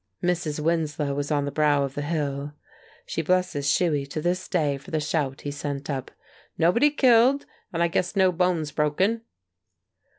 Mrs. Winslow was on the brow of the hill. She blesses Shuey to this day for the shout he sent up, "Nobody killed, and I guess no bones broken."